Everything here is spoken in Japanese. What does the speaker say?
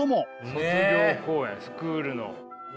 卒業公演スクールの。